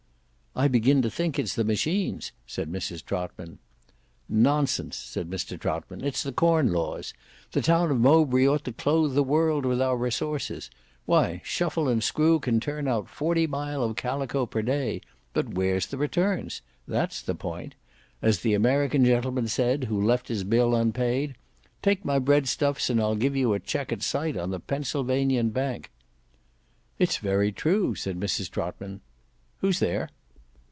"I begin to think it's the machines," said Mrs Trotman. "Nonsense," said Mr Trotman; "it's the corn laws. The town of Mowbray ought to clothe the world with our resources. Why Shuffle and Screw can turn out forty mile of calico per day; but where's the returns? That's the point. As the American gentleman said who left his bill unpaid, 'Take my breadstuffs and I'll give you a cheque at sight on the Pennsylvanian Bank.'" "It's very true," said Mrs Trotman. "Who's there?"